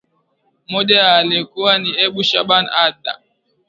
moja yao alikuwa ni ebi shaban abda